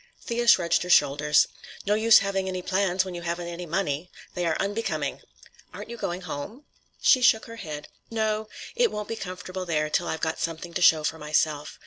Thea shrugged her shoulders. "No use having any plans when you haven't any money. They are unbecoming." "Aren't you going home?" She shook her head. "No. It won't be comfortable there till I've got something to show for myself.